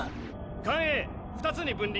艦影２つに分離。